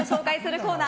コーナー